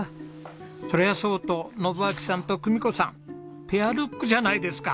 それはそうと信秋さんと久美子さんペアルックじゃないですか！